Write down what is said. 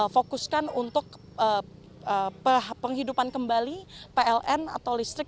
fokuskan untuk penghidupan kembali pln atau listrik